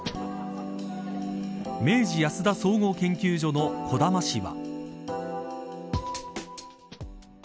明治安田総合研究所の小玉氏は。